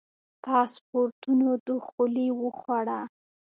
پاسپورتونو دخولي وخوړه.